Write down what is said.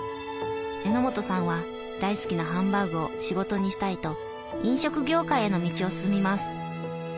榎本さんは大好きなハンバーグを仕事にしたいと飲食業界への道を進みます。